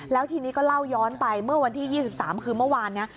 แล้วทีนี้ก็เล่าย้อนไปเมื่อวันที่๒๓คือเมื่อวานนี้